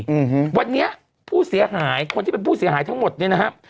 อืมวันนี้ผู้เสียหายคนที่เป็นผู้เสียหายทั้งหมดเนี้ยนะครับ